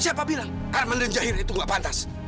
siapa bilang arman dan jahira itu nggak pantas